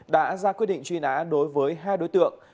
đã ra quyết định truy nã đối với hai đối tượng